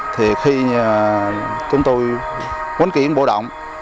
thì khi chúng tôi quấn kiện bộ động